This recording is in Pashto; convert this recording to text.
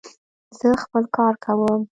زه خپل کار کوم.